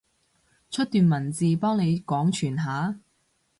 出段文字，幫你廣傳下？